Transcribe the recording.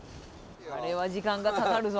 あれは時間がかかるぞ。